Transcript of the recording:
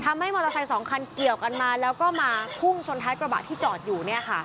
มอเตอร์ไซค์สองคันเกี่ยวกันมาแล้วก็มาพุ่งชนท้ายกระบะที่จอดอยู่